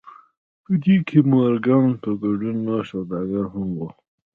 په دې کې د مورګان په ګډون نور سوداګر هم وو